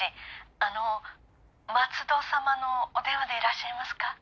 あの松戸様のお電話でいらっしゃいますか？